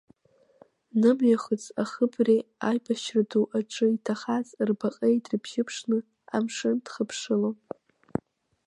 Нымҩахыҵ ахыбреи аибашьра ду аҿы иҭахаз рбаҟеи дрыбжьыԥшны, амшын дхыԥшылон.